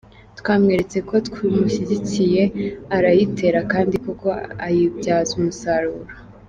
Twamweretse ko tumushyigikiye arayitera kandi koko ayibyaza umusaruro.